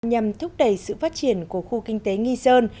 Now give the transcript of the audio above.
nhằm thúc đẩy sự phát triển của khu kinh tế nghi sơn